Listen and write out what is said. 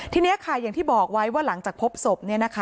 ทีนี้ค่ะอย่างที่บอกไว้ว่าหลังจากพบศพ